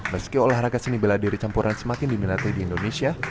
meski olahraga seni beladiri campuran semakin diminati di indonesia